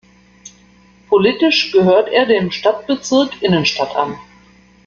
Politisch gehört er dem Stadtbezirk Innenstadt an.